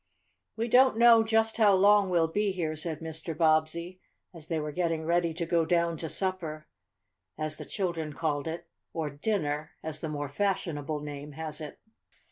"We don't know just how long we'll be here," said Mr. Bobbsey, as they were getting ready to go down to supper, as the children called it, or "dinner," as the more fashionable name has it.